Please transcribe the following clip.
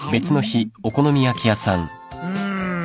うん。